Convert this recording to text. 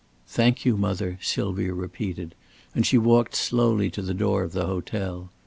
"Thank you, mother," Sylvia repeated, and she walked slowly to the door of the hotel.